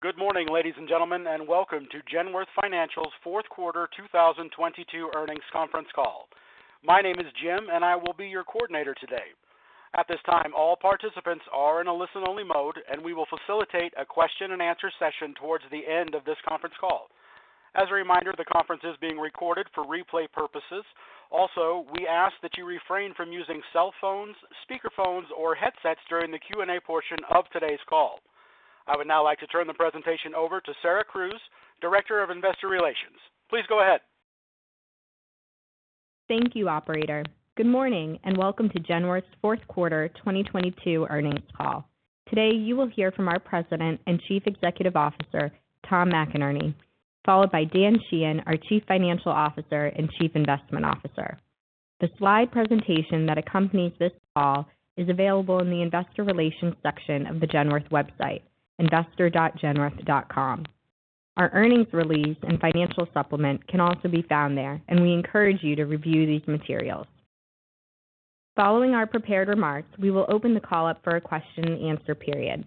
Good morning, ladies and gentlemen, and welcome to Genworth Financial's fourth quarter 2022 earnings conference call. My name is Jim, and I will be your coordinator today. At this time, all participants are in a listen-only mode, and we will facilitate a question-and-answer session towards the end of this conference call. As a reminder, the conference is being recorded for replay purposes. Also, we ask that you refrain from using cell phones, speakerphones, or headsets during the Q&A portion of today's call. I would now like to turn the presentation over to Sarah Crews, Director of Investor Relations. Please go ahead. Thank you, operator. Good morning. Welcome to Genworth's fourth quarter 2022 earnings call. Today, you will hear from our President and Chief Executive Officer, Tom McInerney, followed by Dan Sheehan, our Chief Financial Officer and Chief Investment Officer. The slide presentation that accompanies this call is available in the Investor Relations section of the Genworth website, investor.genworth.com. Our earnings release and financial supplement can also be found there. We encourage you to review these materials. Following our prepared remarks, we will open the call up for a question-and-answer period.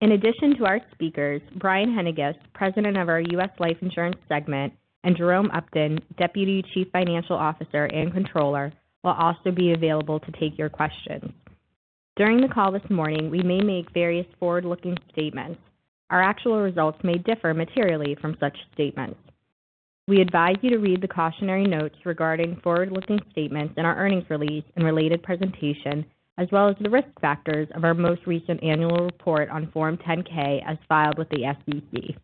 In addition to our speakers, Brian Haendiges, President of our U.S. Life Insurance segment, and Jerome Upton, Deputy Chief Financial Officer and Controller, will also be available to take your questions. During the call this morning, we may make various forward-looking statements. Our actual results may differ materially from such statements. We advise you to read the cautionary notes regarding forward-looking statements in our earnings release and related presentation, as well as the risk factors of our most recent annual report on Form 10-K as filed with the SEC.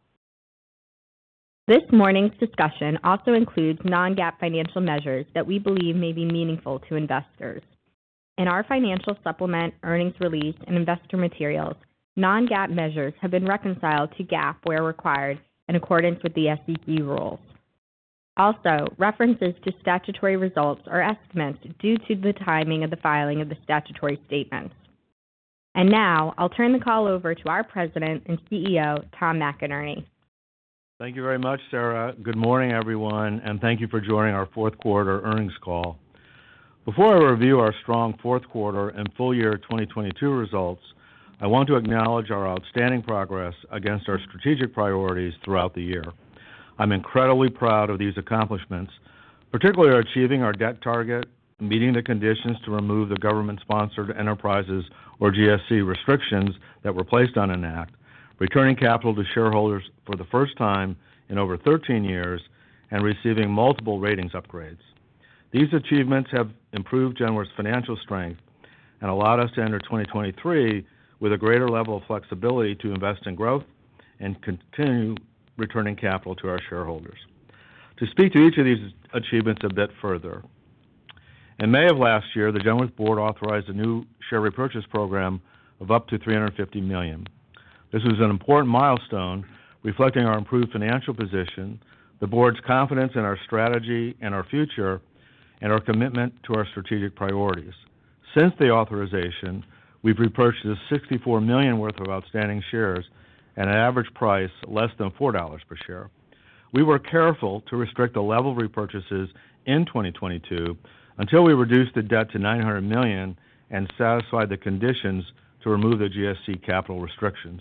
This morning's discussion also includes non-GAAP financial measures that we believe may be meaningful to investors. In our financial supplement, earnings release, and investor materials, non-GAAP measures have been reconciled to GAAP where required in accordance with the SEC rules. References to statutory results are estimates due to the timing of the filing of the statutory statements. Now I'll turn the call over to our President and CEO, Tom McInerney. Thank you very much, Sarah. Good morning, everyone, and thank you for joining our fourth quarter earnings call. Before I review our strong fourth quarter and full year 2022 results, I want to acknowledge our outstanding progress against our strategic priorities throughout the year. I'm incredibly proud of these accomplishments, particularly achieving our debt target, meeting the conditions to remove the government-sponsored enterprises or GSE restrictions that were placed on Enact, returning capital to shareholders for the first time in over 13 years, and receiving multiple ratings upgrades. These achievements have improved Genworth's financial strength and allowed us to enter 2023 with a greater level of flexibility to invest in growth and continue returning capital to our shareholders. To speak to each of these achievements a bit further, in May of last year, the Genworth board authorized a new share repurchase program of up to $350 million. This is an important milestone reflecting our improved financial position, the board's confidence in our strategy and our future, and our commitment to our strategic priorities. Since the authorization, we've repurchased $64 million worth of outstanding shares at an average price less than $4 per share. We were careful to restrict the level repurchases in 2022 until we reduced the debt to $900 million and satisfied the conditions to remove the GSE Capital restrictions.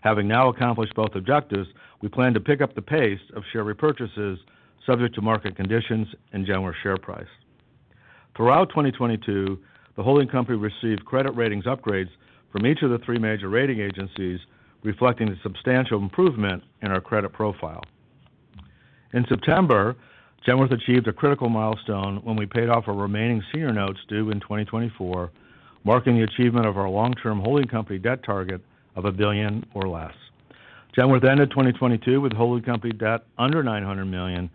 Having now accomplished both objectives, we plan to pick up the pace of share repurchases subject to market conditions and Genworth's share price. Throughout 2022, the holding company received credit ratings upgrades from each of the three major rating agencies, reflecting the substantial improvement in our credit profile. In September, Genworth achieved a critical milestone when we paid off our remaining senior notes due in 2024, marking the achievement of our long-term holding company debt target of $1 billion or less. Genworth ended 2022 with holding company debt under $900 million,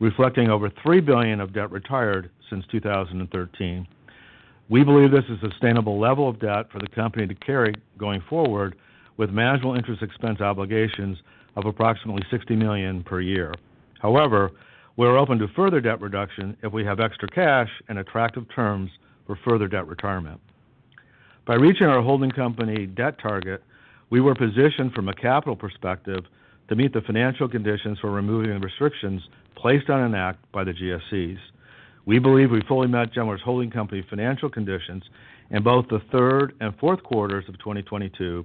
reflecting over $3 billion of debt retired since 2013. We believe this is a sustainable level of debt for the company to carry going forward, with manageable interest expense obligations of approximately $60 million per year. However, we're open to further debt reduction if we have extra cash and attractive terms for further debt retirement. By reaching our holding company debt target, we were positioned from a capital perspective to meet the financial conditions for removing the restrictions placed on Enact by the GSEs. We believe we fully met Genworth's holding company financial conditions in both the third and fourth quarters of 2022,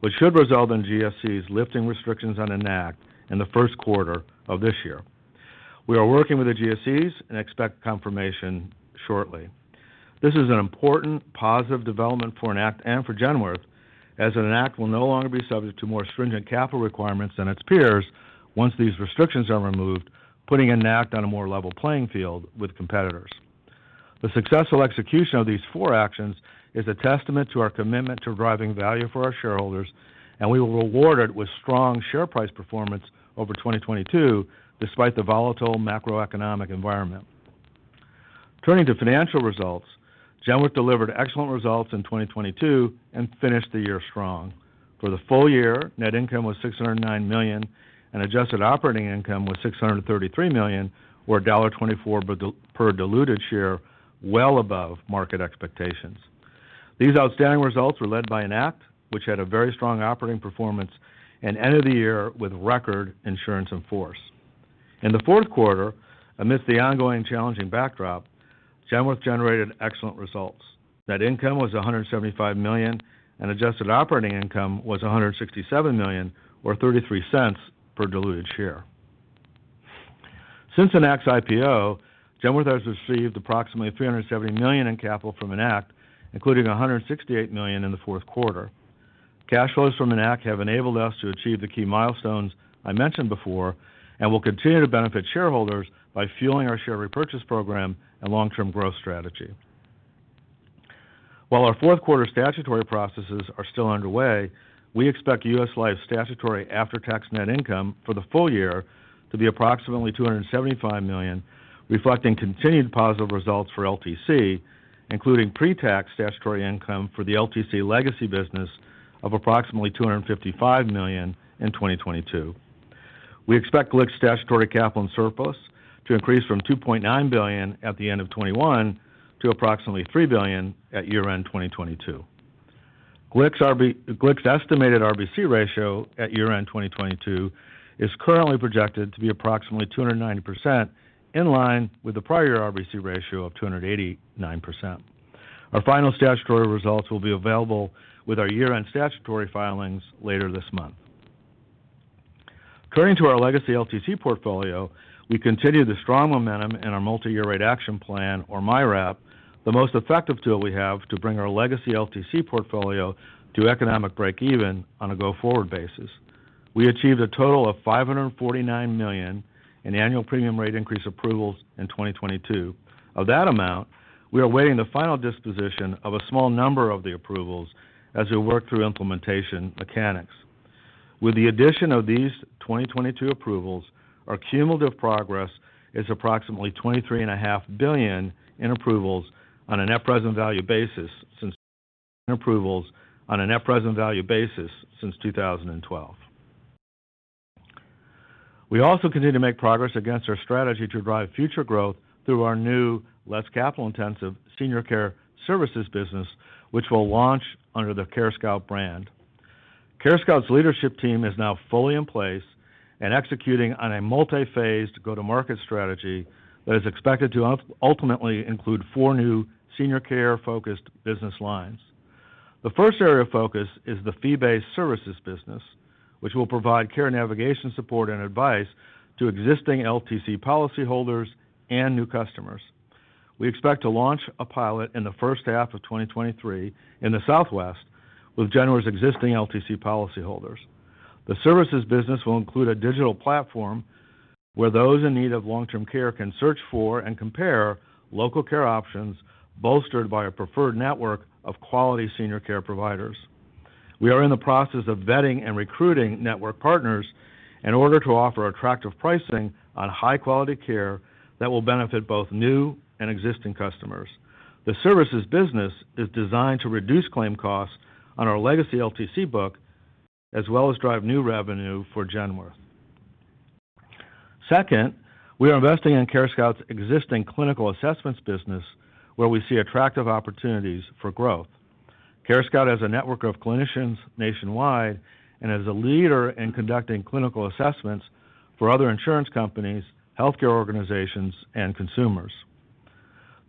which should result in GSEs lifting restrictions on Enact in the first quarter of this year. We are working with the GSEs and expect confirmation shortly. This is an important positive development for Enact and for Genworth, as Enact will no longer be subject to more stringent capital requirements than its peers once these restrictions are removed, putting Enact on a more level playing field with competitors. The successful execution of these four actions is a testament to our commitment to driving value for our shareholders, and we were rewarded with strong share price performance over 2022 despite the volatile macroeconomic environment. Turning to financial results, Genworth delivered excellent results in 2022 and finished the year strong. For the full year, net income was $609 million, and adjusted operating income was $633 million, or $1.24 per diluted share, well above market expectations. These outstanding results were led by Enact, which had a very strong operating performance and ended the year with record insurance in force. In the fourth quarter, amidst the ongoing challenging backdrop, Genworth generated excellent results. Net income was $175 million, and adjusted operating income was $167 million, or $0.33 per diluted share. Since Enact's IPO, Genworth has received approximately $370 million in capital from Enact, including $168 million in the fourth quarter. Cash flows from Enact have enabled us to achieve the key milestones I mentioned before and will continue to benefit shareholders by fueling our share repurchase program and long-term growth strategy. While our fourth quarter statutory processes are still underway, we expect U.S. Life statutory after-tax net income for the full year to be approximately $275 million, reflecting continued positive results for LTC, including pre-tax statutory income for the LTC legacy business of approximately $255 million in 2022. We expect GLIC's statutory capital and surplus to increase from $2.9 billion at the end of 2021 to approximately $3 billion at year-end 2022. GLIC's estimated RBC ratio at year-end 2022 is currently projected to be approximately 290%, in line with the prior RBC ratio of 289%. Our final statutory results will be available with our year-end statutory filings later this month. Turning to our legacy LTC portfolio, we continue the strong momentum in our multi-year rate action plan, or MYRAP, the most effective tool we have to bring our legacy LTC portfolio to economic breakeven on a go-forward basis. We achieved a total of $549 million in annual premium rate increase approvals in 2022. Of that amount, we are awaiting the final disposition of a small number of the approvals as we work through implementation mechanics. With the addition of these 2022 approvals, our cumulative progress is approximately $23.5 billion in approvals on a net present value basis since 2012. We also continue to make progress against our strategy to drive future growth through our new less capital-intensive senior care services business, which will launch under the CareScout brand. CareScout's leadership team is now fully in place and executing on a multi-phase go-to-market strategy that is expected to ultimately include four new senior care-focused business lines. The first area of focus is the fee-based services business, which will provide care navigation support and advice to existing LTC policyholders and new customers. We expect to launch a pilot in the first half of 2023 in the Southwest with Genworth's existing LTC policyholders. The services business will include a digital platform where those in need of long-term care can search for and compare local care options, bolstered by a preferred network of quality senior care providers. We are in the process of vetting and recruiting network partners in order to offer attractive pricing on high-quality care that will benefit both new and existing customers. The services business is designed to reduce claim costs on our legacy LTC book, as well as drive new revenue for Genworth. Second, we are investing in CareScout's existing clinical assessments business, where we see attractive opportunities for growth. CareScout has a network of clinicians nationwide and is a leader in conducting clinical assessments for other insurance companies, healthcare organizations, and consumers.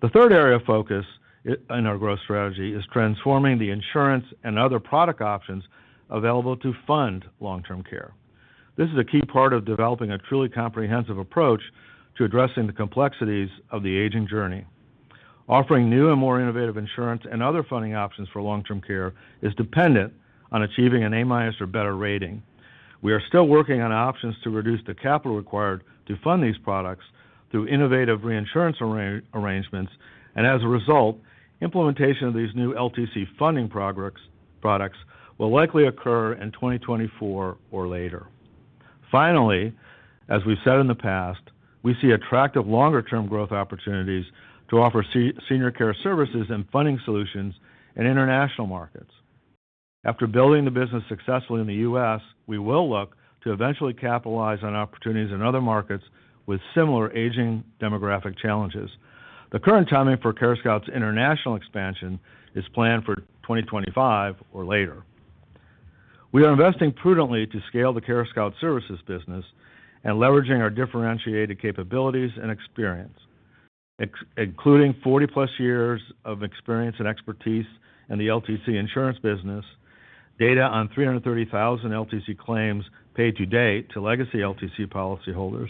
The third area of focus in our growth strategy is transforming the insurance and other product options available to fund long-term care. This is a key part of developing a truly comprehensive approach to addressing the complexities of the aging journey. Offering new and more innovative insurance and other funding options for long-term care is dependent on achieving an A- or better rating. We are still working on options to reduce the capital required to fund these products through innovative reinsurance arrangements, and as a result, implementation of these new LTC funding products will likely occur in 2024 or later. Finally, as we've said in the past, we see attractive longer-term growth opportunities to offer senior care services and funding solutions in international markets. After building the business successfully in the U.S., we will look to eventually capitalize on opportunities in other markets with similar aging demographic challenges. The current timing for CareScout's international expansion is planned for 2025 or later. We are investing prudently to scale the CareScout services business and leveraging our differentiated capabilities and experience, including 40+ years of experience and expertise in the LTC insurance business, data on 330,000 LTC claims paid to date to legacy LTC policyholders,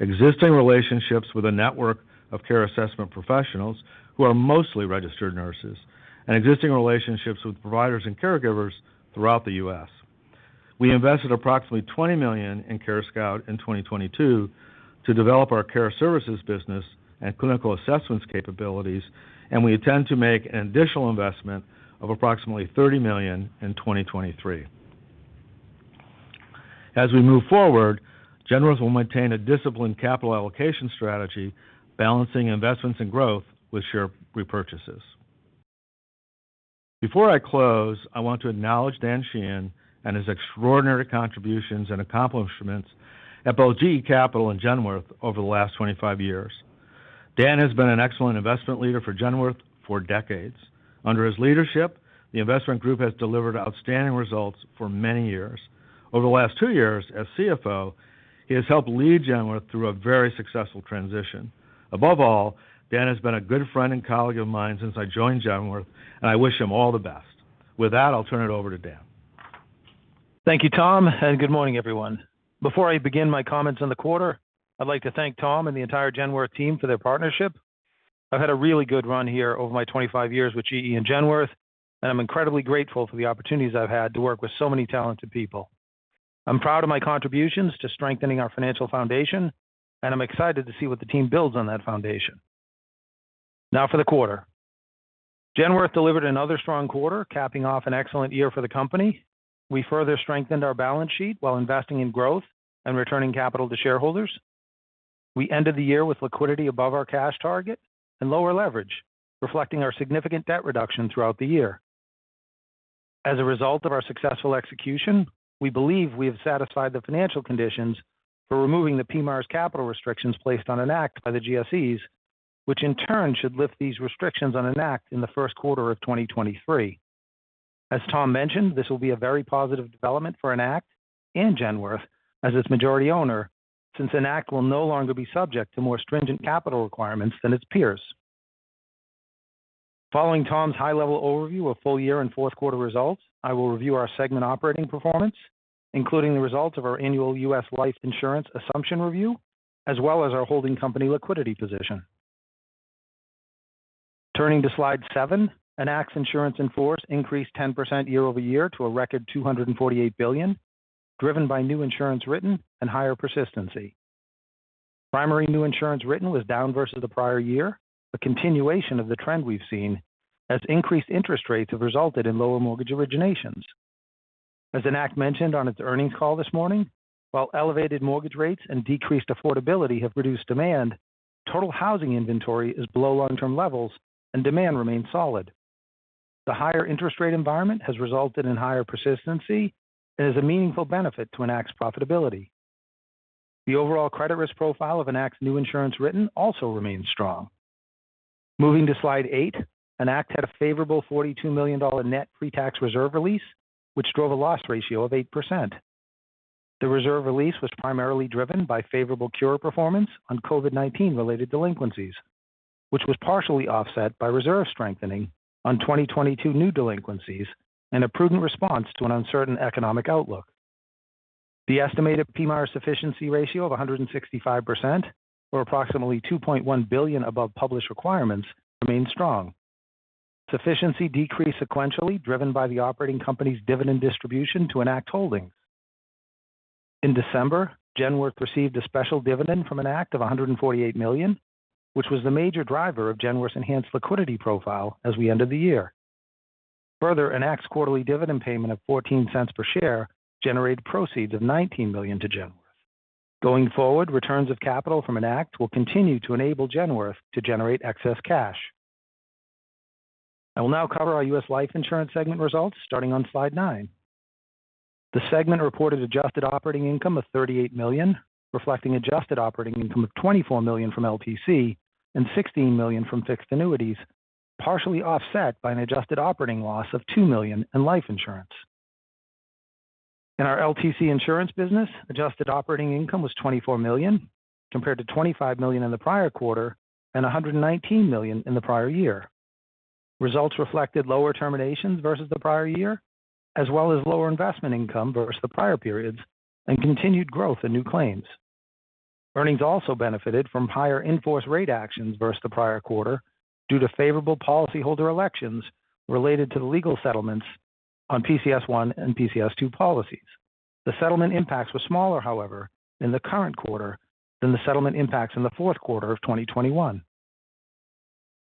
existing relationships with a network of care assessment professionals who are mostly registered nurses, and existing relationships with providers and caregivers throughout the US. We invested approximately $20 million in CareScout in 2022 to develop our care services business and clinical assessments capabilities, and we intend to make an additional investment of approximately $30 million in 2023. As we move forward, Genworth will maintain a disciplined capital allocation strategy, balancing investments and growth with share repurchases. Before I close, I want to acknowledge Dan Sheehan and his extraordinary contributions and accomplishments at GSE Capital and Genworth over the last 25 years. Dan has been an excellent investment leader for Genworth for decades. Under his leadership, the investment group has delivered outstanding results for many years. Over the last two years as CFO, he has helped lead Genworth through a very successful transition. Above all, Dan has been a good friend and colleague of mine since I joined Genworth, and I wish him all the best. With that, I'll turn it over to Dan. Thank you, Tom, and good morning, everyone. Before I begin my comments on the quarter, I'd like to thank Tom and the entire Genworth team for their partnership. I've had a really good run here over my 25 years with GE and Genworth, and I'm incredibly grateful for the opportunities I've had to work with so many talented people. I'm proud of my contributions to strengthening our financial foundation, and I'm excited to see what the team builds on that foundation. Now for the quarter. Genworth delivered another strong quarter, capping off an excellent year for the company. We further strengthened our balance sheet while investing in growth and returning capital to shareholders. We ended the year with liquidity above our cash target and lower leverage, reflecting our significant debt reduction throughout the year. As a result of our successful execution, we believe we have satisfied the financial conditions for removing the PMIERs capital restrictions placed on Enact by the GSEs, which in turn should lift these restrictions on Enact in the first quarter of 2023. As Tom mentioned, this will be a very positive development for Enact and Genworth as its majority owner, since Enact will no longer be subject to more stringent capital requirements than its peers. Following Tom's high-level overview of full year and fourth quarter results, I will review our segment operating performance, including the results of our annual U.S. Life Insurance assumption review, as well as our holding company liquidity position. Turning to slide seven, Enact's insurance in force increased 10% year-over-year to a record $248 billion, driven by new insurance written and higher persistency. Primary new insurance written was down versus the prior year, a continuation of the trend we've seen as increased interest rates have resulted in lower mortgage originations. As Enact mentioned on its earnings call this morning, while elevated mortgage rates and decreased affordability have reduced demand, total housing inventory is below long-term levels and demand remains solid. The higher interest rate environment has resulted in higher persistency and is a meaningful benefit to Enact's profitability. The overall credit risk profile of Enact's new insurance written also remains strong. Moving to slide eight, Enact had a favorable $42 million net pre-tax reserve release, which drove a loss ratio of 8%. The reserve release was primarily driven by favorable cure performance on COVID-19 related delinquencies, which was partially offset by reserve strengthening on 2022 new delinquencies and a prudent response to an uncertain economic outlook. The estimated PMIERs sufficiency ratio of 165%, or approximately $2.1 billion above published requirements, remains strong. Sufficiency decreased sequentially, driven by the operating company's dividend distribution to Enact Holdings. In December, Genworth received a special dividend from Enact of $148 million, which was the major driver of Genworth's enhanced liquidity profile as we ended the year. Enact's quarterly dividend payment of $0.14 per share generated proceeds of $19 million to Genworth. Going forward, returns of capital from Enact will continue to enable Genworth to generate excess cash. I will now cover our U.S. Life Insurance segment results starting on slide nine. The segment reported adjusted operating income of $38 million, reflecting adjusted operating income of $24 million from LTC and $16 million from fixed annuities, partially offset by an adjusted operating loss of $2 million in life insurance. In our LTC insurance business, adjusted operating income was $24 million, compared to $25 million in the prior quarter and $119 million in the prior year. Results reflected lower terminations versus the prior year, as well as lower investment income versus the prior periods and continued growth in new claims. Earnings also benefited from higher in-force rate actions versus the prior quarter due to favorable policyholder elections related to the legal settlements on PCS1 and PCS2 policies. The settlement impacts were smaller, however, in the current quarter than the settlement impacts in the fourth quarter of 2021.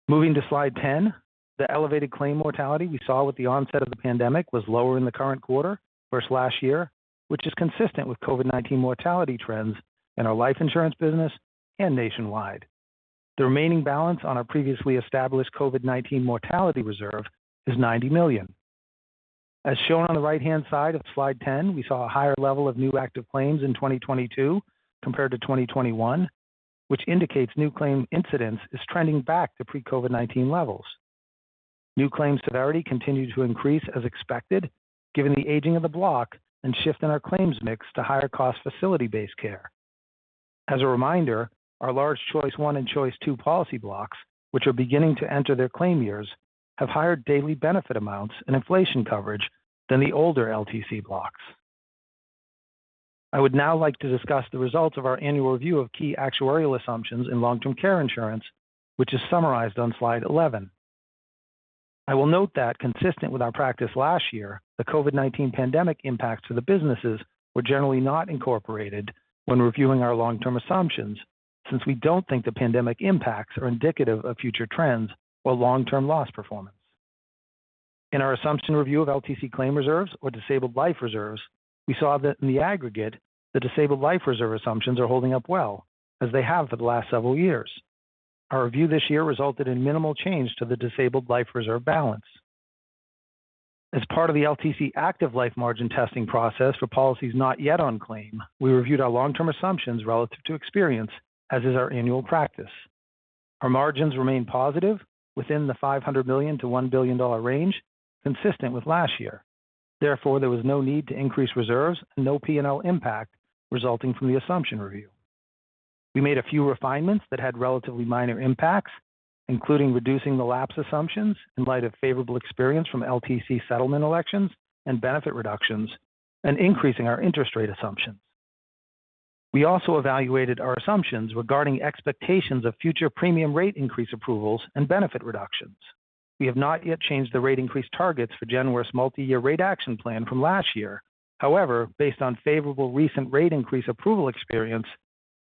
Moving to slide 10, the elevated claim mortality we saw with the onset of the pandemic was lower in the current quarter versus last year, which is consistent with COVID-19 mortality trends in our life insurance business and nationwide. The remaining balance on our previously established COVID-19 mortality reserve is $90 million. As shown on the right-hand side of slide 10, we saw a higher level of new active claims in 2022 compared to 2021, which indicates new claim incidents is trending back to pre-COVID-19 levels. New claim severity continued to increase as expected, given the aging of the block and shift in our claims mix to higher cost facility-based care. As a reminder, our large Choice I and Choice II policy blocks, which are beginning to enter their claim years, have higher daily benefit amounts and inflation coverage than the older LTC blocks. I would now like to discuss the results of our annual review of key actuarial assumptions in long-term care insurance, which is summarized on slide 11. I will note that consistent with our practice last year, the COVID-19 pandemic impacts for the businesses were generally not incorporated when reviewing our long-term assumptions, since we don't think the pandemic impacts are indicative of future trends or long-term loss performance. In our assumption review of LTC claim reserves or disabled life reserves, we saw that in the aggregate, the disabled life reserve assumptions are holding up well, as they have for the last several years. Our review this year resulted in minimal change to the disabled life reserve balance. As part of the LTC active life margin testing process for policies not yet on claim, we reviewed our long-term assumptions relative to experience, as is our annual practice. Our margins remain positive within the $500 million-$1 billion range, consistent with last year. Therefore, there was no need to increase reserves and no P&L impact resulting from the assumption review. We made a few refinements that had relatively minor impacts, including reducing the lapse assumptions in light of favorable experience from LTC settlement elections and benefit reductions and increasing our interest rate assumptions. We also evaluated our assumptions regarding expectations of future premium rate increase approvals and benefit reductions. We have not yet changed the rate increase targets for Genworth's multi-year rate action plan from last year. However, based on favorable recent rate increase approval experience,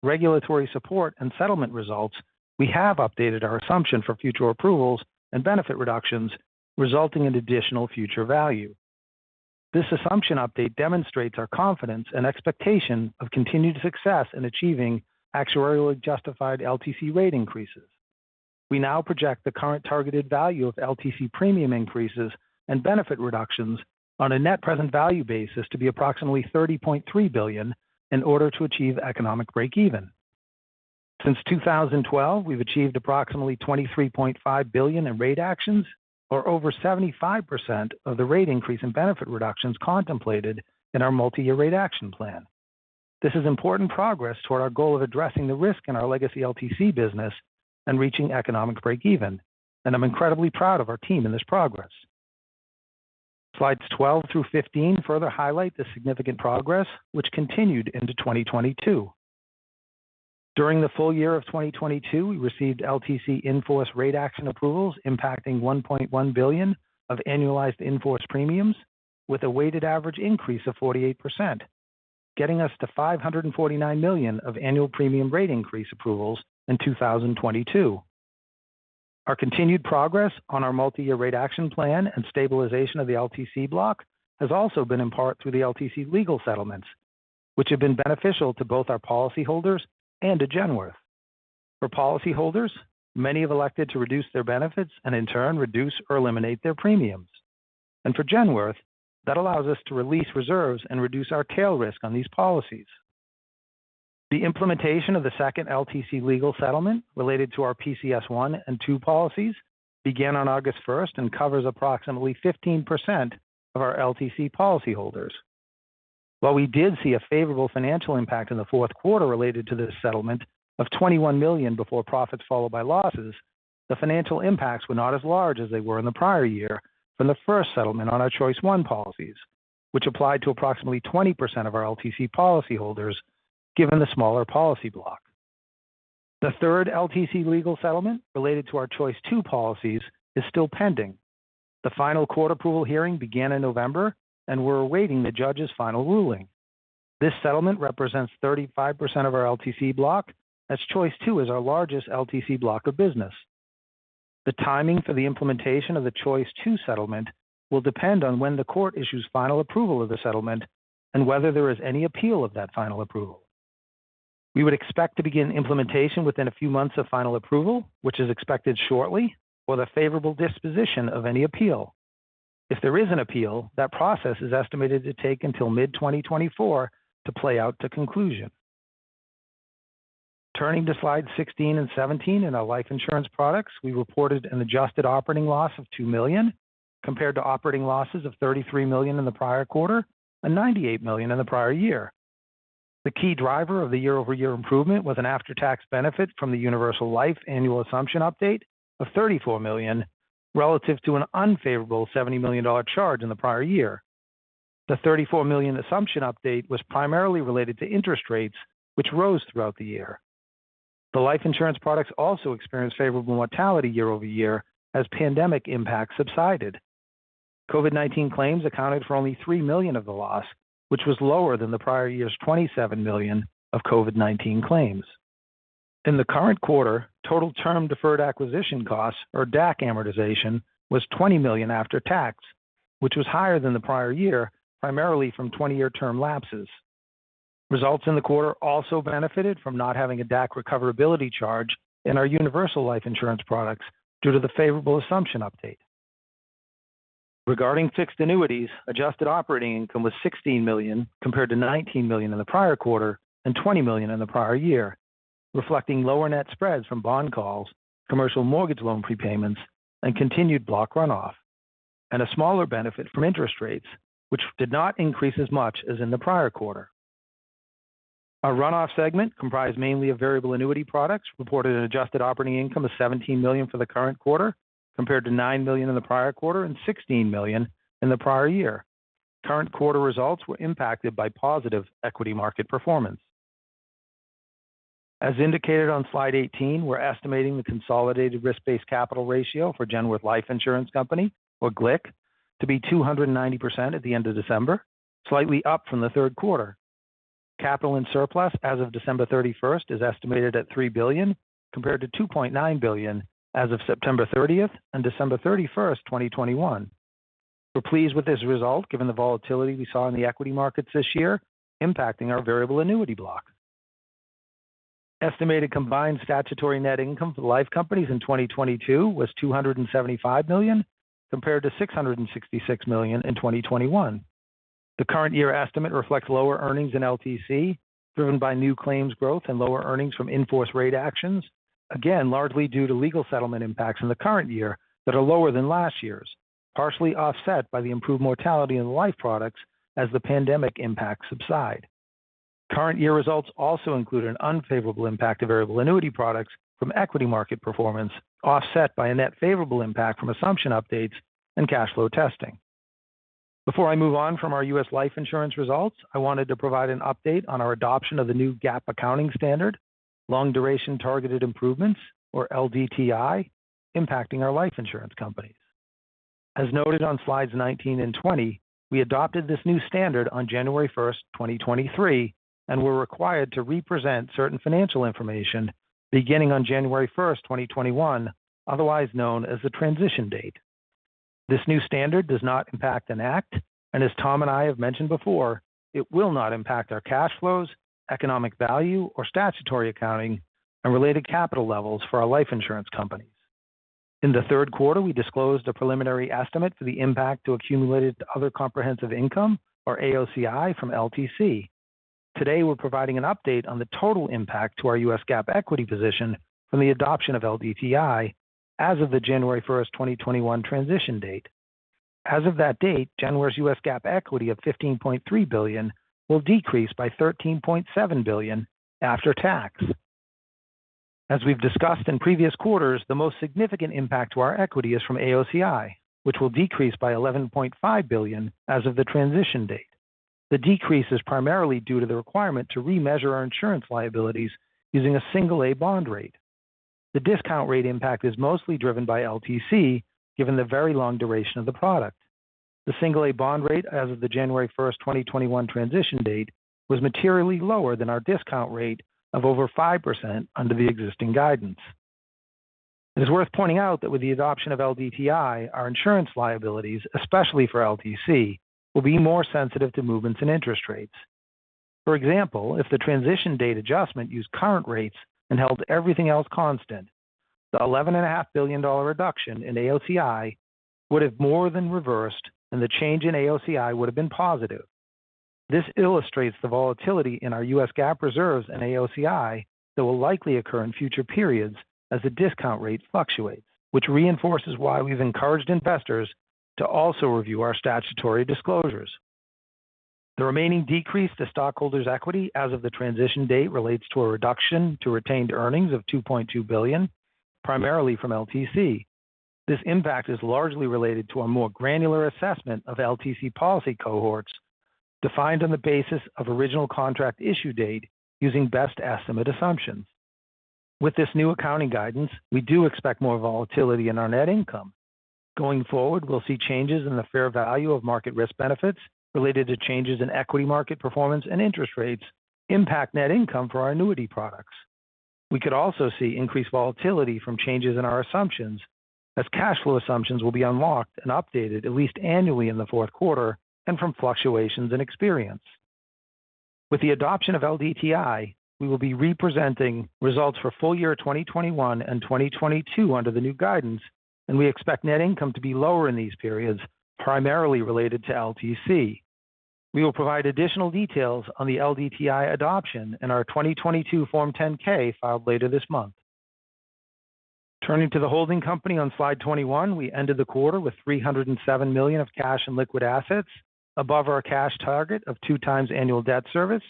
regulatory support, and settlement results, we have updated our assumption for future approvals and benefit reductions, resulting in additional future value. This assumption update demonstrates our confidence and expectation of continued success in achieving actuarially justified LTC rate increases. We now project the current targeted value of LTC premium increases and benefit reductions on a net present value basis to be approximately $30.3 billion in order to achieve economic break-even. Since 2012, we've achieved approximately $23.5 billion in rate actions or over 75% of the rate increase in benefit reductions contemplated in our multi-year rate action plan. This is important progress toward our goal of addressing the risk in our legacy LTC business and reaching economic break-even, and I'm incredibly proud of our team in this progress. slides 12 through 15 further highlight the significant progress which continued into 2022. During the full year of 2022, we received LTC in-force rate action approvals impacting $1.1 billion of annualized in-force premiums with a weighted average increase of 48%, getting us to $549 million of annual premium rate increase approvals in 2022. Our continued progress on our multi-year rate action plan and stabilization of the LTC block has also been in part through the LTC legal settlements, which have been beneficial to both our policyholders and to Genworth. For policyholders, many have elected to reduce their benefits and in turn reduce or eliminate their premiums. For Genworth, that allows us to release reserves and reduce our tail risk on these policies. The implementation of the second LTC legal settlement related to our PCS1 and II policies began on August 1st and covers approximately 15% of our LTC policyholders. While we did see a favorable financial impact in the fourth quarter related to this settlement of $21 million before profits followed by losses, the financial impacts were not as large as they were in the prior year from the first settlement on our Choice I policies, which applied to approximately 20% of our LTC policyholders, given the smaller policy block. The third LTC legal settlement related to our Choice II policies is still pending. The final court approval hearing began in November, and we're awaiting the judge's final ruling. This settlement represents 35% of our LTC block, as Choice II is our largest LTC block of business. The timing for the implementation of the Choice II settlement will depend on when the court issues final approval of the settlement and whether there is any appeal of that final approval. We would expect to begin implementation within a few months of final approval, which is expected shortly or the favorable disposition of any appeal. If there is an appeal, that process is estimated to take until mid-2024 to play out to conclusion. Turning to slide 16 and 17 in our life insurance products, we reported an adjusted operating loss of $2 million compared to operating losses of $33 million in the prior quarter and $98 million in the prior year. The key driver of the year-over-year improvement was an after-tax benefit from the universal life annual assumption update of $34 million relative to an unfavorable $70 million charge in the prior year. The $34 million assumption update was primarily related to interest rates, which rose throughout the year. The life insurance products also experienced favorable mortality year-over-year as pandemic impacts subsided. COVID-19 claims accounted for only $3 million of the loss, which was lower than the prior year's $27 million of COVID-19 claims. In the current quarter, total term deferred acquisition costs, or DAC amortization, was $20 million after tax, which was higher than the prior year, primarily from 20-year term lapses. Results in the quarter also benefited from not having a DAC recoverability charge in our universal life insurance products due to the favorable assumption update. Regarding fixed annuities, adjusted operating income was $16 million compared to $19 million in the prior quarter and $20 million in the prior year, reflecting lower net spreads from bond calls, commercial mortgage loan prepayments, and continued block run-off, and a smaller benefit from interest rates, which did not increase as much as in the prior quarter. Our run-off segment, comprised mainly of variable annuity products, reported an adjusted operating income of $17 million for the current quarter, compared to $9 million in the prior quarter and $16 million in the prior year. Current quarter results were impacted by positive equity market performance. As indicated on slide 18, we're estimating the consolidated risk-based capital ratio for Genworth Life Insurance Company, or GLIC, to be 290% at the end of December, slightly up from the third quarter. Capital and surplus as of December 31st is estimated at $3 billion, compared to $2.9 billion as of September 30th and December 31st, 2021. We're pleased with this result, given the volatility we saw in the equity markets this year impacting our variable annuity block. Estimated combined statutory net income for the Life companies in 2022 was $275 million compared to $666 million in 2021. The current year estimate reflects lower earnings in LTC driven by new claims growth and lower earnings from in-force rate actions, again, largely due to legal settlement impacts in the current year that are lower than last year's, partially offset by the improved mortality in Life products as the pandemic impacts subside. Current year results also include an unfavorable impact of variable annuity products from equity market performance, offset by a net favorable impact from assumption updates and cash flow testing. Before I move on U.S. Life Insurance results, i wanted to provide an update on our adoption of the new GAAP accounting standard, Long-Duration Targeted Improvements or LDTI, impacting our Life Insurance companies. As noted on slides 19 and 20, we adopted this new standard on January first, 2023. We're required to represent certain financial information beginning on January first, 2021, otherwise known as the transition date. This new standard does not impact Enact, as Tom and I have mentioned before, it will not impact our cash flows, economic value, or statutory accounting and related capital levels for our Life Insurance companies. In the third quarter, we disclosed a preliminary estimate for the impact to accumulated other comprehensive income or AOCI from LTC. Today, we're providing an update on the total impact to our U.S. GAAP equity position from the adoption of LDTI as of the January 1st, 2021 transition date. As of that date, Genworth's U.S. GAAP equity of $15.3 billion will decrease by $13.7 billion after tax. As we've discussed in previous quarters, the most significant impact to our equity is from AOCI, which will decrease by $11.5 billion as of the transition date. The decrease is primarily due to the requirement to remeasure our insurance liabilities using a single A bond rate. The discount rate impact is mostly driven by LTC given the very long duration of the product. The single A bond rate as of the January 1st, 2021 transition date was materially lower than our discount rate of over 5% under the existing guidance. It is worth pointing out that with the adoption of LDTI, our insurance liabilities, especially for LTC, will be more sensitive to movements in interest rates. For example, if the transition date adjustment used current rates and held everything else constant, the $11 and a $500 million reduction in AOCI would have more than reversed, and the change in AOCI would have been positive. This illustrates the volatility in our U.S. GAAP reserves and AOCI that will likely occur in future periods as the discount rate fluctuates, which reinforces why we've encouraged investors to also review our statutory disclosures. The remaining decrease to stockholders' equity as of the transition date relates to a reduction to retained earnings of $2.2 billion, primarily from LTC. This impact is largely related to a more granular assessment of LTC policy cohorts defined on the basis of original contract issue date using best estimate assumptions. With this new accounting guidance, we do expect more volatility in our net income. Going forward, we'll see changes in the fair value of market risk benefits related to changes in equity market performance and interest rates impact net income for our annuity products. We could also see increased volatility from changes in our assumptions as cash flow assumptions will be unlocked and updated at least annually in the fourth quarter and from fluctuations in experience. With the adoption of LDTI, we will be representing results for full year 2021 and 2022 under the new guidance, and we expect net income to be lower in these periods, primarily related to LTC. We will provide additional details on the LDTI adoption in our 2022 Form 10-K filed later this month. Turning to the holding company on slide 21, we ended the quarter with $307 million of cash and liquid assets above our cash target of 2x annual debt service.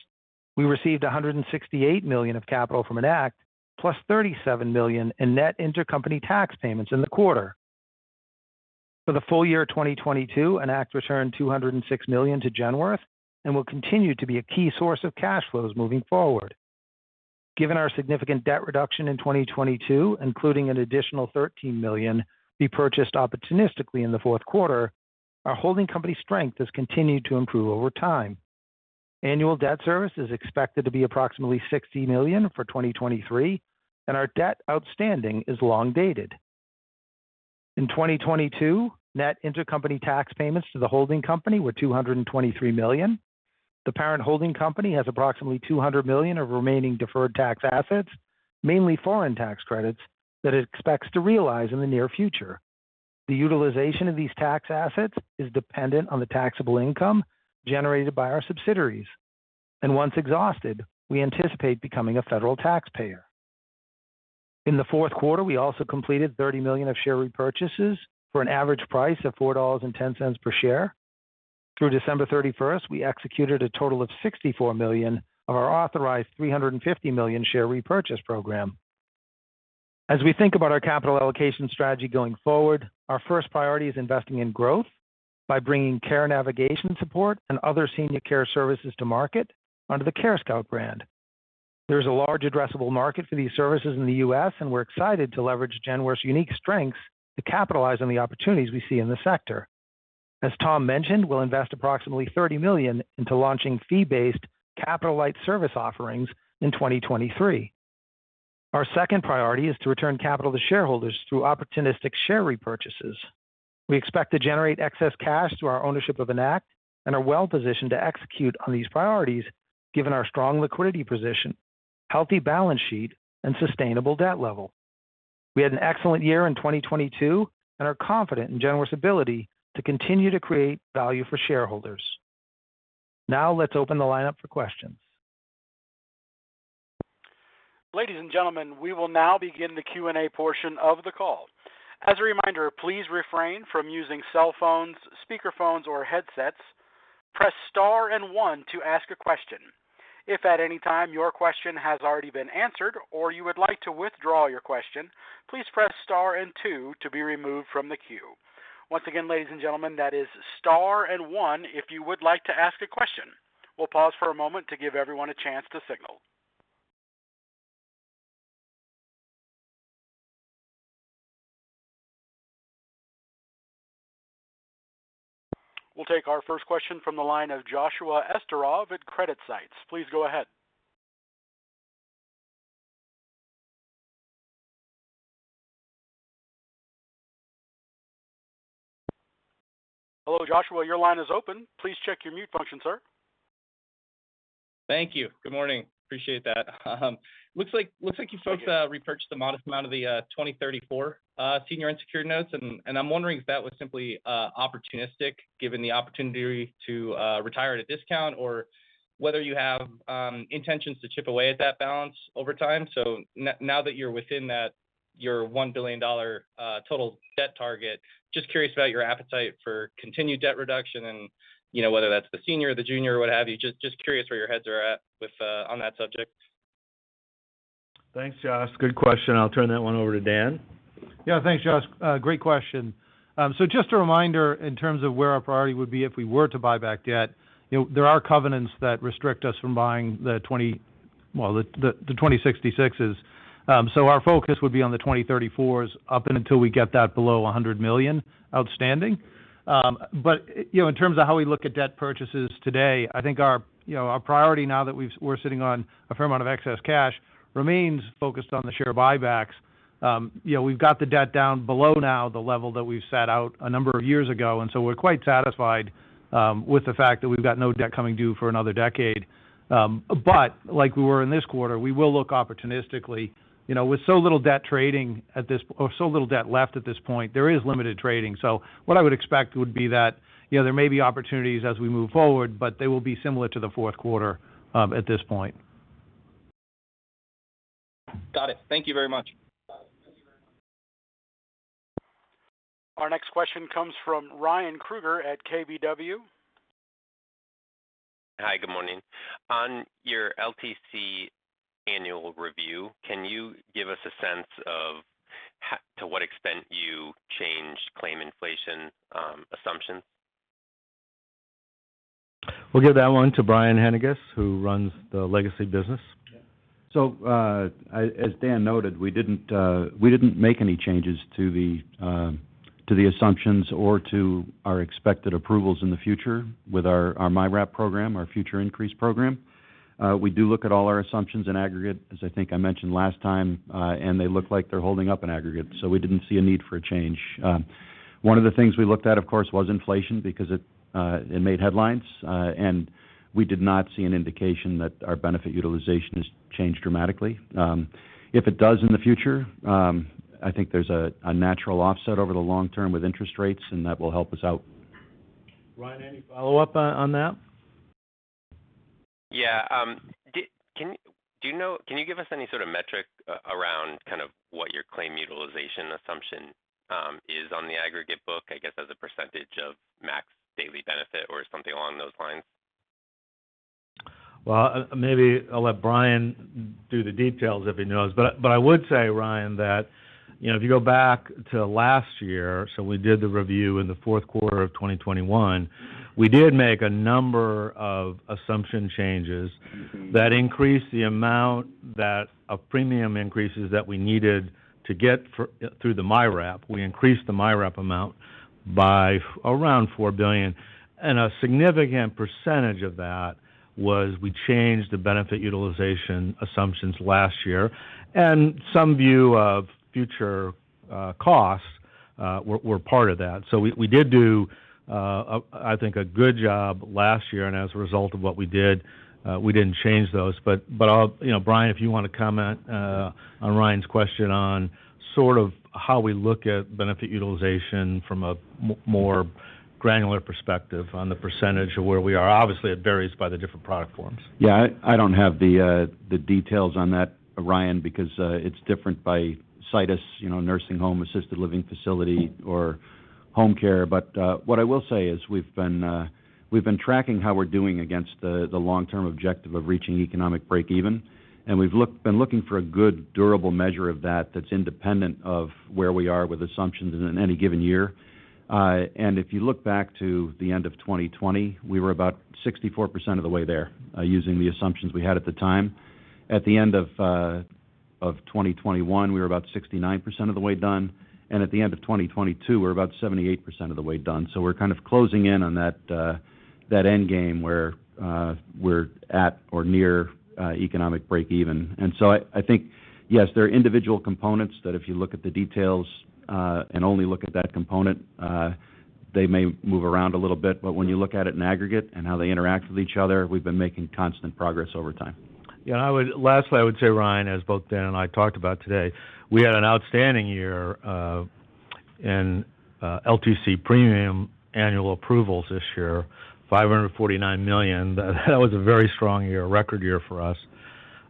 We received $168 million of capital from Enact plus $37 million in net intercompany tax payments in the quarter. For the full year 2022, Enact returned $206 million to Genworth and will continue to be a key source of cash flows moving forward. Given our significant debt reduction in 2022, including an additional $13 million repurchased opportunistically in the fourth quarter, our holding company strength has continued to improve over time. Annual debt service is expected to be approximately $60 million for 2023, and our debt outstanding is long dated. In 2022, net intercompany tax payments to the holding company were $223 million. The parent holding company has approximately $200 million of remaining deferred tax assets, mainly foreign tax credits that it expects to realize in the near future. The utilization of these tax assets is dependent on the taxable income generated by our subsidiaries, and once exhausted, we anticipate becoming a federal taxpayer. In the fourth quarter, we also completed $30 million of share repurchases for an average price of $4.10 per share. Through December 31st, we executed a total of $64 million of our authorized $350 million share repurchase program. As we think about our capital allocation strategy going forward, our first priority is investing in growth by bringing care navigation support and other senior care services to market under the CareScout brand. There's a large addressable market for these services in the U.S. We're excited to leverage Genworth's unique strengths to capitalize on the opportunities we see in the sector. As Tom mentioned, we'll invest approximately $30 million into launching fee-based capital-light service offerings in 2023. Our second priority is to return capital to shareholders through opportunistic share repurchases. We expect to generate excess cash through our ownership of Enact and are well positioned to execute on these priorities given our strong liquidity position, healthy balance sheet, and sustainable debt level. We had an excellent year in 2022. We are confident in Genworth's ability to continue to create value for shareholders. Let's open the line up for questions. Ladies and gentlemen, we will now begin the Q&A portion of the call. As a reminder, please refrain from using cell phones, speakerphones, or headsets. Press star one to ask a question. If at any time your question has already been answered or you would like to withdraw your question, please press star two to be removed from the queue. Once again, ladies and gentlemen, that is star one if you would like to ask a question. We'll pause for a moment to give everyone a chance to signal. We'll take our first question from the line of Joshua Esterov at CreditSights. Please go ahead. Hello, Joshua, your line is open. Please check your mute function, sir. Thank you. Good morning. Appreciate that. Looks like you folks repurchased a modest amount of the 2034 senior unsecured notes, and I'm wondering if that was simply opportunistic given the opportunity to retire at a discount or whether you have intentions to chip away at that balance over time. Now that you're within that, your $1 billion total debt target, just curious about your appetite for continued debt reduction and, you know, whether that's the senior or the junior or what have you. Just curious where your heads are at with on that subject. Thanks, Josh. Good question. I'll turn that one over to Dan. Yeah. Thanks, Josh. Great question. Just a reminder in terms of where our priority would be if we were to buy back debt, you know, there are covenants that restrict us from buying the 2066s. Our focus would be on the 2034s up and until we get that below $100 million outstanding. In terms of how we look at debt purchases today, I think our, you know, our priority now that we're sitting on a fair amount of excess cash remains focused on the share buybacks. You know, we've got the debt down below now, the level that we've set out a number of years ago. We're quite satisfied with the fact that we've got no debt coming due for another decade. Like we were in this quarter, we will look opportunistically. You know, with so little debt trading, or so little debt left at this point, there is limited trading. What I would expect would be that, you know, there may be opportunities as we move forward, but they will be similar to the fourth quarter at this point. Got it. Thank you very much. Our next question comes from Ryan Krueger at KBW. Hi. Good morning. On your LTC annual review, can you give us a sense of to what extent you changed claim inflation, assumptions? We'll give that one to Brian Haendiges, who runs the legacy business. As Dan noted, we didn't make any changes to the, to the assumptions or to our expected approvals in the future with our MYRAP program, our future increase program. We do look at all our assumptions in aggregate, as I think I mentioned last time, and they look like they're holding up in aggregate, so we didn't see a need for a change. One of the things we looked at, of course, was inflation because it made headlines. We did not see an indication that our benefit utilization has changed dramatically. If it does in the future, I think there's a natural offset over the long term with interest rates, and that will help us out. Ryan, any follow-up on that? Yeah. Can you give us any sort of metric around kind of what your claim utilization assumption is on the aggregate book, I guess, as a percentage of max daily benefit or something along those lines? Well, maybe I'll let Brian do the details if he knows. I would say, Ryan, that, you know, if you go back to last year, We did the review in the fourth quarter of 2021, we did make a number of assumption changes. Mm-hmm. that increased the amount that a premium increases that we needed to get for, through the MYRAP. We increased the MYRAP amount by around $4 billion, and a significant percentage of that was we changed the benefit utilization assumptions last year, and some view of future costs were part of that. We, we did do a, I think, a good job last year, and as a result of what we did, we didn't change those. But I'll... You know, Brian Haendiges, if you wanna comment on Ryan Krueger's question on sort of how we look at benefit utilization from a more granular perspective on the percentage of where we are. Obviously, it varies by the different product forms. Yeah. I don't have the details on that, Ryan, because it's different by situs, you know, nursing home, assisted living facility, or home care. What I will say is we've been tracking how we're doing against the long-term objective of reaching economic break-even, and we've been looking for a good durable measure of that that's independent of where we are with assumptions in any given year. If you look back to the end of 2020, we were about 64% of the way there, using the assumptions we had at the time. Of 2021, we were about 69% of the way done, and at the end of 2022, we're about 78% of the way done. We're kind of closing in on that end game where we're at or near economic break even. I think, yes, there are individual components that if you look at the details, and only look at that component, they may move around a little bit, but when you look at it in aggregate and how they interact with each other, we've been making constant progress over time. Yeah. Lastly, I would say, Ryan, as both Dan and I talked about today, we had an outstanding year in LTC premium annual approvals this year, $549 million. That was a very strong year, a record year for us.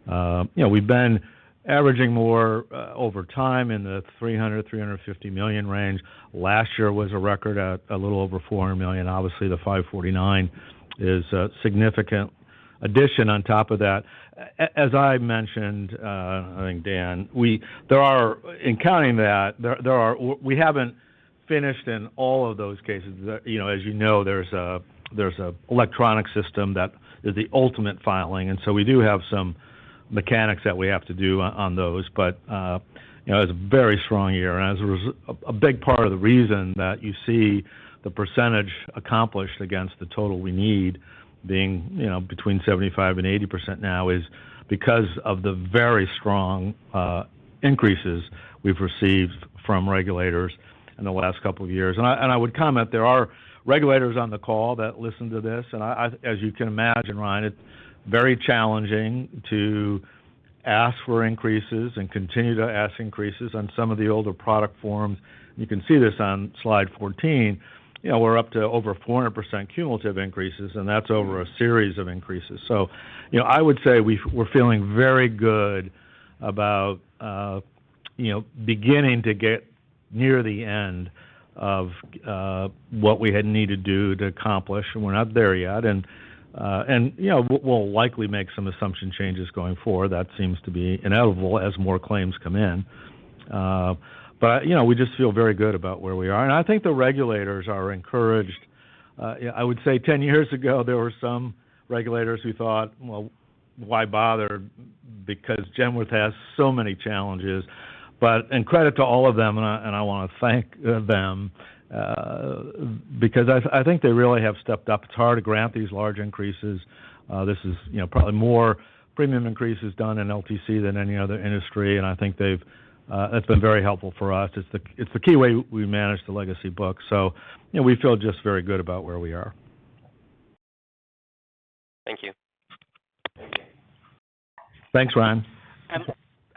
You know, we've been averaging more, over time in the $300 million-$350 million range. Last year was a record at a little over $400 million. Obviously, the $549 is a significant addition on top of that. As I mentioned, I think Dan, in counting that, we haven't finished in all of those cases. You know, as you know, there's an electronic system that is the ultimate filing, and so we do have some mechanics that we have to do on those. You know, it's a very strong year, and as a big part of the reason that you see the percentage accomplished against the total we need being, you know, between 75% and 80% now is because of the very strong increases we've received from regulators in the last couple of years. I would comment, there are regulators on the call that listen to this, as you can imagine, Ryan, it's very challenging to ask for increases and continue to ask increases on some of the older product forms. You can see this on slide 14. You know, we're up to over 400% cumulative increases, and that's over a series of increases. You know, I would say we're feeling very good about, you know, beginning to get near the end of what we had needed to do to accomplish, and we're not there yet. you know, we'll likely make some assumption changes going forward. That seems to be inevitable as more claims come in. you know, we just feel very good about where we are. I think the regulators are encouraged. I would say 10 years ago, there were some regulators who thought, "Well, why bother?" Because Genworth has so many challenges, and credit to all of them, and I wanna thank them, because I think they really have stepped up. It's hard to grant these large increases. This is, you know, probably more premium increases done in LTC than any other industry, and I think they've that's been very helpful for us. It's the, it's the key way we manage the legacy book. You know, we feel just very good about where we are. Thank you. Thanks, Ryan.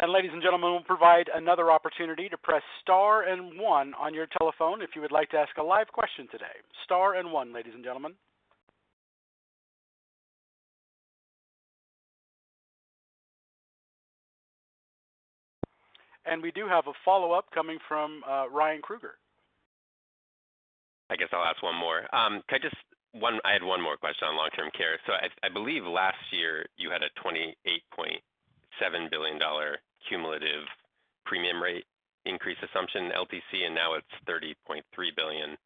ladies and gentlemen, we'll provide another opportunity to press star and one on your telephone if you would like to ask a live question today. Star and one, ladies and gentlemen. We do have a follow-up coming from Ryan Krueger. I guess I'll ask one more. Can I just I had one more question on long-term care. I believe last year, you had a $28.7 billion cumulative premium rate increase assumption in LTC, and now it's $30.3 billion.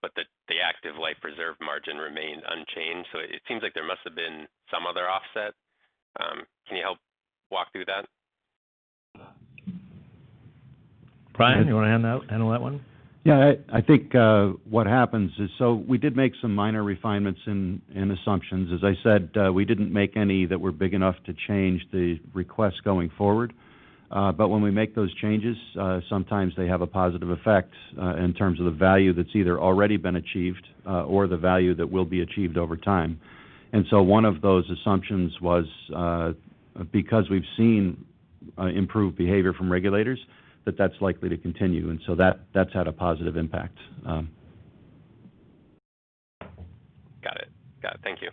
But the active life reserve margin remained unchanged, it seems like there must have been some other offset. Can you help walk through that? Brian, do you wanna handle that one? Yeah. I think what happens is, so we did make some minor refinements in assumptions. As I said, we didn't make any that were big enough to change the request going forward. But when we make those changes, sometimes they have a positive effect in terms of the value that's either already been achieved or the value that will be achieved over time. One of those assumptions was, because we've seen improved behavior from regulators, that's likely to continue, and so that's had a positive impact. Got it. Got it. Thank you.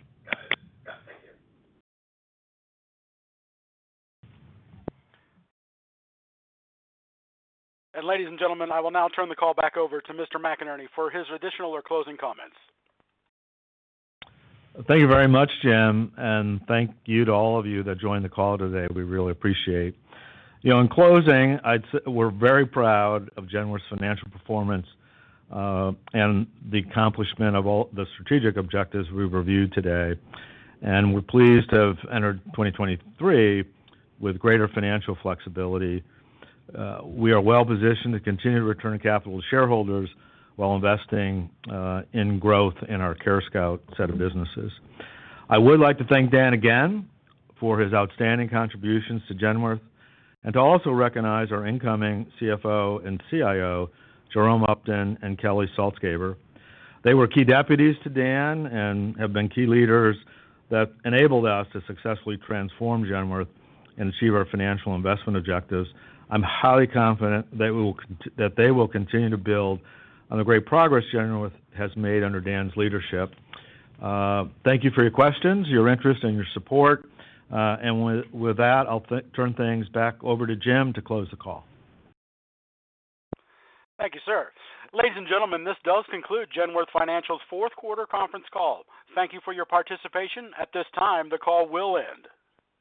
Ladies and gentlemen, I will now turn the call back over to Mr. McInerney for his additional or closing comments. Thank you very much, Jim. Thank you to all of you that joined the call today. We really appreciate. You know, in closing, I'd say we're very proud of Genworth's financial performance and the accomplishment of all the strategic objectives we've reviewed today. We're pleased to have entered 2023 with greater financial flexibility. We are well positioned to continue to return capital to shareholders while investing in growth in our CareScout set of businesses. I would like to thank Dan again for his outstanding contributions to Genworth and to also recognize our incoming CFO and CIO, Jerome Upton and Kelly Saltzgaber. They were key deputies to Dan and have been key leaders that enabled us to successfully transform Genworth and achieve our financial investment objectives. I'm highly confident that they will continue to build on the great progress Genworth has made under Dan's leadership. Thank you for your questions, your interest, and your support. With that, I'll turn things back over to Jim to close the call. Thank you, sir. Ladies and gentlemen, this does conclude Genworth Financial's fourth quarter conference call. Thank you for your participation. At this time, the call will end.